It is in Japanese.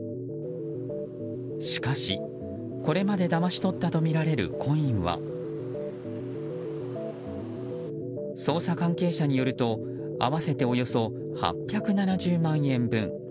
しかし、これまでだまし取ったとみられるコインは捜査関係者によると合わせておよそ８７０万円分。